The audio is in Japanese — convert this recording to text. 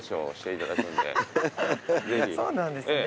そうなんですね。